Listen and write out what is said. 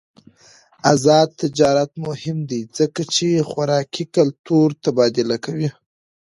آزاد تجارت مهم دی ځکه چې خوراکي کلتور تبادله کوي.